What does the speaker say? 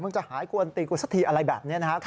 จะหายกวนตีกูสักทีอะไรแบบนี้นะครับ